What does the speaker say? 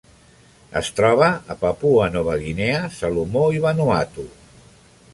Es troba a Papua Nova Guinea, Salomó i Vanuatu.